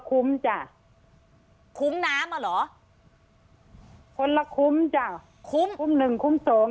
คุ้มจ้ะคุ้มน้ำอ่ะเหรอคนละคุ้มจ้ะคุ้มหนึ่งคุ้มสอง